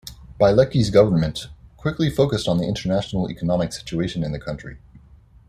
Bielecki's government quickly focused on the international economic situation in the country.